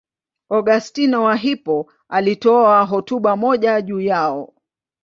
Augustino wa Hippo alitoa hotuba moja juu yao.